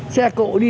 xe cộ đi